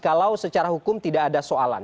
kalau secara hukum tidak ada soalan